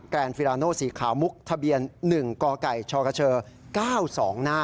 แกรนด์ฟิลาโนสีขาวมุกทะเบียน๑กไก่ชกเชอร์๙๒น